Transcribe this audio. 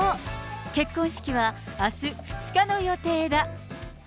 結婚式はあす２日の予定だ。